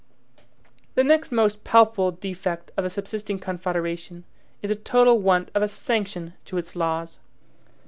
The next most palpable defect of the subsisting Confederation, is the total want of a SANCTION to its laws.